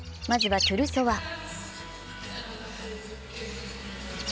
まずはトゥルソワ。